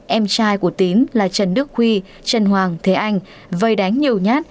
em trai của tín là trần đức huy trần hoàng thế anh vây đánh nhiều nhát